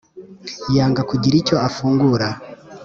yanga kugira icyo afungura